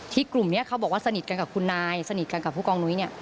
ที่กลุ่มนี้เขาบอกว่าสนิทกันกับคุณนายสนิทกันกับภูกองหนุ๊ย